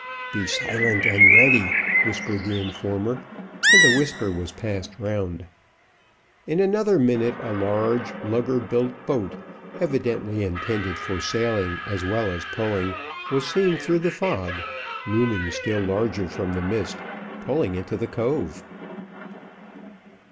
"Be silent and ready," whispered the informer, and the whisper was passed round. In another minute a large lugger built boat, evidently intended for sailing as well as pulling, was seen through the fog looming still larger from the mist, pulling into the cove.